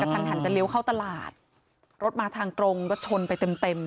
กระทันจะเลี้ยวเข้าตลาดรถมาทางกรงก็ชนไปเต็ม